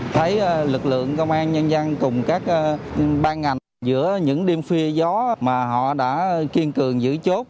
thấy lực lượng công an nhân dân cùng các ban ngành giữa những đêm khuya gió mà họ đã kiên cường giữ chốt